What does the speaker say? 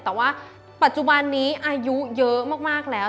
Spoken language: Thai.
แต่ว่าปัจจุบันนี้อายุเยอะมากแล้ว